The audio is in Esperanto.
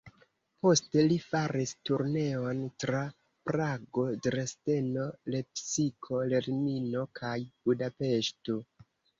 Poste, li faris turneon tra Prago, Dresdeno, Lepsiko, Berlino kaj Budapeŝto.